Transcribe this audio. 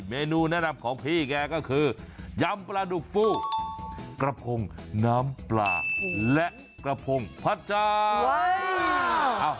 เมนูแนะนำของพี่แกก็คือยำปลาดุกฟู้กระพงน้ำปลาและกระพงผัดเจ้า